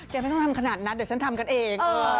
ไม่ต้องทำขนาดนั้นเดี๋ยวฉันทำกันเอง